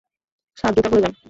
Sir, জুতা খুলে যান।